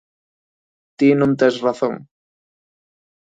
Ti non tés razón.